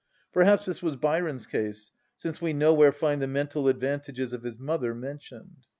Perhaps this was Byron's case, since we nowhere find the mental advantages of his mother mentioned.